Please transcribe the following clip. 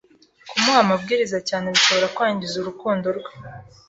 Kumuha amabwiriza cyane bishobora kwangiza urukundo rwe